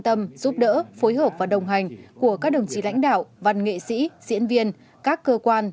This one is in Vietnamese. tâm giúp đỡ phối hợp và đồng hành của các đồng chí lãnh đạo văn nghệ sĩ diễn viên các cơ quan